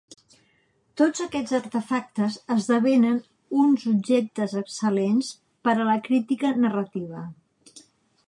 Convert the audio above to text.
Tots aquests artefactes esdevenen un objectes excel·lents per a la crítica narrativa.